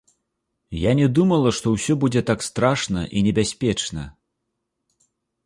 Я не думала, што ўсе будзе так страшна і небяспечна.